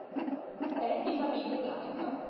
È di famiglia ebraica.